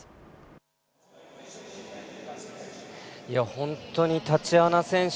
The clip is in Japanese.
本当にタチアナ選手